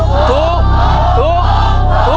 ถ้าถูกก็ว่าแรกนะครับ